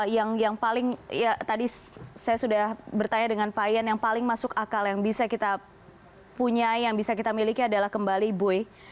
yang paling ya tadi saya sudah bertanya dengan pak ian yang paling masuk akal yang bisa kita punya yang bisa kita miliki adalah kembali bui